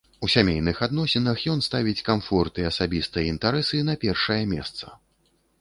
У сямейных адносінах ён ставіць камфорт і асабістыя інтарэсы на першае месца.